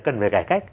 cần phải cải cách